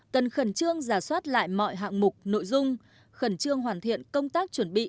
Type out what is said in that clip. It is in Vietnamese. cần khẩn trương giả soát lại mọi hạng mục nội dung khẩn trương hoàn thiện công tác chuẩn bị